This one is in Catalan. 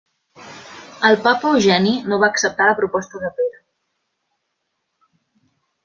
El papa Eugeni no va acceptar la proposta de Pere.